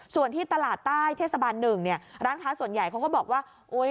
ส่วนที่ตลาดใต้เทศบัน๑เนี่ยร้านค้าส่วนใหญ่เขาก็บอกว่าโอ๊ย